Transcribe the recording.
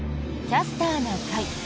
「キャスターな会」。